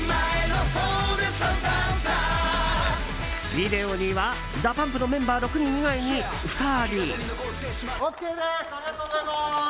ビデオには、ＤＡＰＵＭＰのメンバー６人以外に２人。